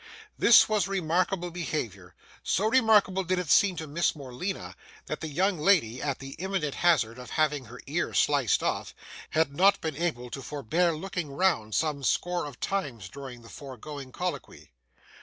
This was remarkable behaviour. So remarkable did it seem to Miss Morleena, that that young lady, at the imminent hazard of having her ear sliced off, had not been able to forbear looking round, some score of times, during the foregoing colloquy.